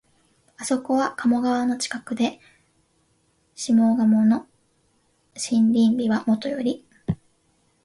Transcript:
あそこは鴨川の近くで、下鴨の森林美はもとより、